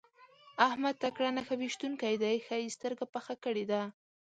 احمد تکړه نښه ويشتونکی دی؛ ښه يې سترګه پخه کړې ده.